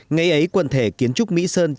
ngay ấy quần thể kiến trúc mỹ sơn